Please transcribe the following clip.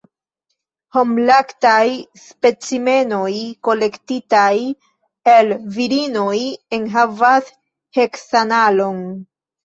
Homlaktaj specimenoj kolektitaj el virinoj enhavas heksanalon.